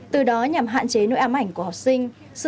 từ đó nhằm hạn chế nỗi ám ảnh của học sinh